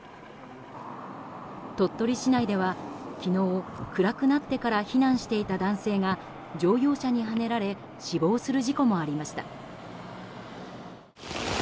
鳥取市内では昨日暗くなってから避難していた男性が乗用車にはねられ死亡する事故もありました。